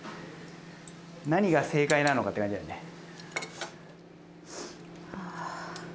何が正解なのかって感じだよね。